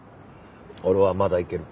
俺はまだいける。